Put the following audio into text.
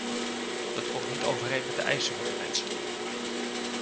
Dat komt niet overeen met de eisen van de mensen.